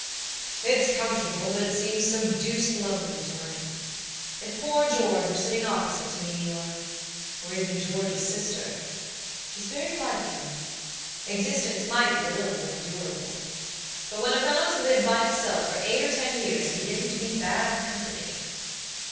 "It's comfortable, but it seems so deuced lonely to night. If poor George were sitting opposite to me, oror even George's sistershe's very like himexistence might be a little more endurable. But when a fellow's lived by himself for eight or ten years he begins to be bad company."